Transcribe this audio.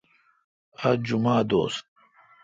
آج جمعہ دوس